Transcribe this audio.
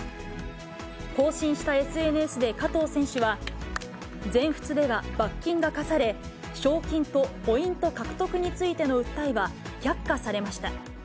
更新したＳＮＳで加藤選手は、全仏では罰金が科され、賞金とポイント獲得についての訴えは却下されました。